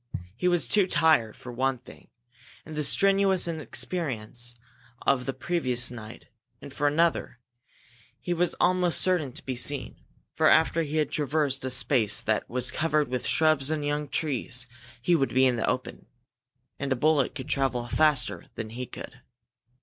He was too tired, for one thing, after the strenuous experience of the previous night, and for another, he was almost certain to be seen, for after he had traversed a space that was covered with shrubs and young trees, he would be in the open. And a bullet could travel faster than he could.